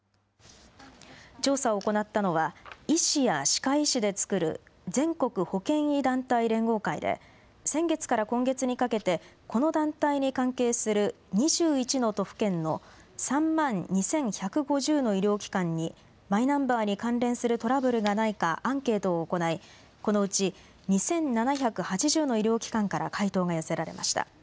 調査を行ったのは医師や歯科医師で作る全国保険医団体連合会で先月から今月にかけてこの団体に関係する２１の都府県の３万２１５０の医療機関にマイナンバーに関連するトラブルがないかアンケートを行い、このうち２７８０の医療機関から回答が寄せられました。